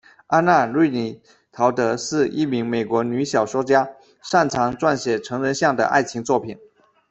安娜·芮妮·陶德是一名美国女小说家，擅长撰写成人向的爱情作品。